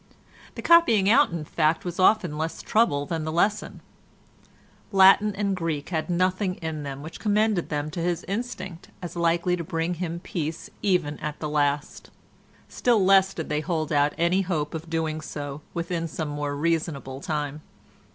The copying out in fact was often less trouble than the lesson. Latin and Greek had nothing in them which commended them to his instinct as likely to bring him peace even at the last; still less did they hold out any hope of doing so within some more reasonable time.